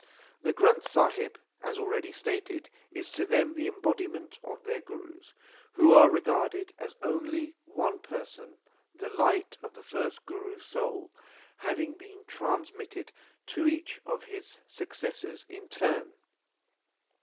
The Granth Sahib, as already stated, is to them the embodiment of their Gurus, who are regarded as only one person, the light of the first Guru s soul having been transmitted to each of his successors in turn.